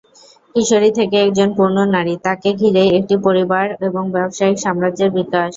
কিশোরী থেকে একজন পূর্ণ নারী—তাঁকে ঘিরেই একটি পরিবার এবং ব্যবসায়িক সাম্রাজ্যের বিকাশ।